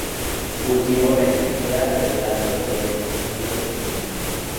Cultivó la escritura de relatos de ciencia ficción.